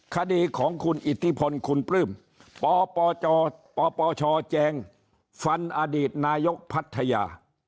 คดีของคุณอิทธิพลคุณปลื้มปปชแจงฟันอดีตนายกพัทยา